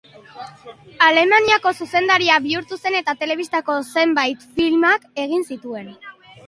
Alemaniako zuzendaria bihurtu zen eta telebistako zenbait filmak egin zituen.